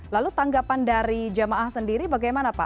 lalu tanggapan dari jamaah sendiri bagaimana pak